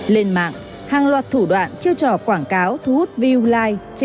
lên mạng hàng loạt thủ đoạn chiêu trò quảng cáo thu hút view like